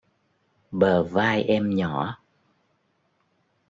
Bờ vai em nhỏ